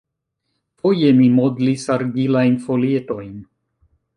Foje mi modlis argilajn folietojn.